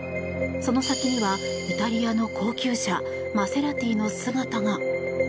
その先にはイタリアの高級車マセラティの姿が。